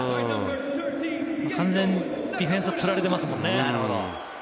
完全にディフェンスは釣られていますもんね。